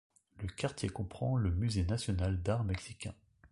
Le quartier comprend le musée national d'art mexicain.